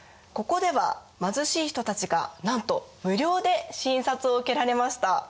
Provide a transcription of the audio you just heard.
ここでは貧しい人たちがなんと無料で診察を受けられました。